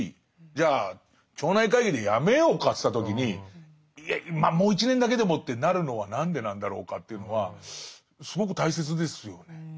じゃあ町内会議でやめようかっていった時に「まあもう１年だけでも」ってなるのは何でなんだろうかというのはすごく大切ですよね。